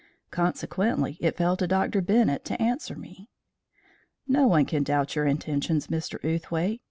Consequently it fell to Dr. Bennett to answer me. "No one can doubt your intentions, Mr. Outhwaite.